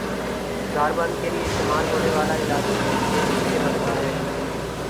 زار بند کیلئے استعمال ہونے والا الاسٹک بھی تیل ہی سے بنتا ھے